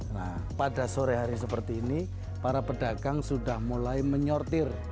nah pada sore hari seperti ini para pedagang sudah mulai menyortir